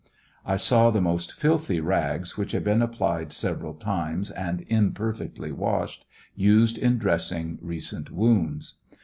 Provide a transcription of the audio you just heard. ««» I saw the most filthy rags, which had been applied several times and imperfectly washed, used in dressing recent wounds.